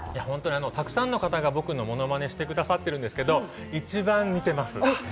沢山の方が僕のものまねをしてくださっているんですけど、一番似ています。